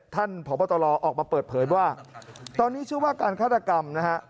พบตรออกมาเปิดเผยว่าตอนนี้เชื่อว่าการฆาตกรรมนะฮะ